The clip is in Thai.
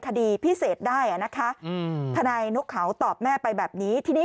คดีพิเศษได้อ่ะนะคะอืมทนายนกเขาตอบแม่ไปแบบนี้ทีนี้